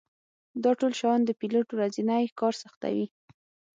دا ټول شیان د پیلوټ ورځنی کار سختوي